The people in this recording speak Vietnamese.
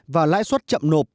và lãi suất chậm nộp